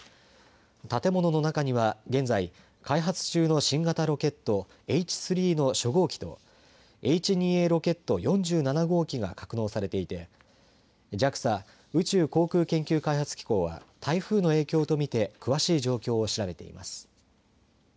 建物の中には現在開発中の新型ロケットＨ３の初号機とＨ２Ａロケット４７号機が格納されていてＪＡＸＡ宇宙航空研究開発機構は台風の影響とみて詳しい状況を調べています。